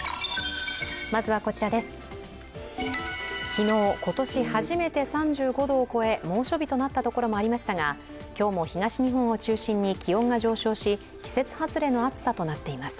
昨日、今年初めて３５度を超え、猛暑日となった所もありましたが今日も東日本を中心に気温が上昇し、季節外れの暑さとなっています。